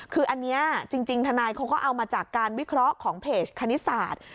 คืออันนี้จริงทนายเขาก็เอามาจากการวิเคราะห์ของเพจคณิตศาสตร์